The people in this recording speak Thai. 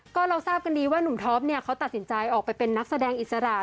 ก็เราทราบกันดีว่าหนุ่มท็อปเนี่ยเขาตัดสินใจออกไปเป็นนักแสดงอิสระ